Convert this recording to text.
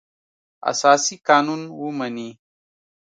اساسي قانون ومني.